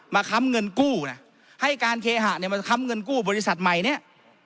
ค้ำเงินกู้นะให้การเคหะเนี่ยมาค้ำเงินกู้บริษัทใหม่เนี่ย